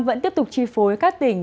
vẫn tiếp tục chi phối các tỉnh